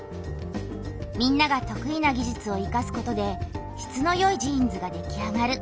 みんなが得意な技術をいかすことで質のよいジーンズができあがる。